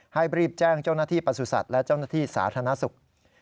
รีบแจ้งเจ้าหน้าที่ประสุทธิ์และเจ้าหน้าที่สาธารณสุข